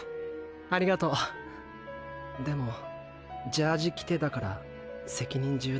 ありがとうでも“ジャージ着て”だから責任重大だ。